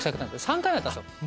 ３回目だったんですよ。